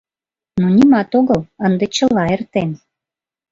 — Ну, нимат огыл, ынде чыла эртен.